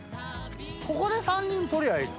ここで３人撮りゃいい。